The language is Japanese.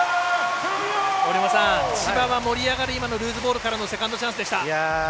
折茂さん、千葉は盛り上がる今のルーズボールからのセカンドチャンスでした。